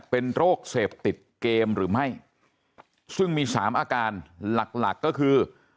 เป็นโรคเสพติดเกมหรือไม่ซึ่งมีสามอาการหลักหลักก็คือ